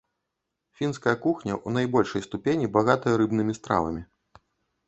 Фінская кухня ў найбольшай ступені багатая рыбнымі стравамі.